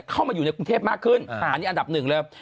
เข้ามาอยู่ในกรุงเทพมากขึ้นอันนี้อันดับหนึ่งเลย